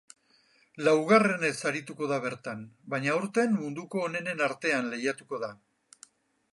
Laugarrenez arituko da bertan, baina aurten munduko onenen artean lehiatuko da.